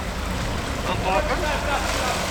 Ad n-truḥemt?